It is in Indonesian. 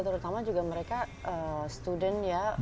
terutama juga mereka student ya